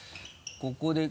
ここで。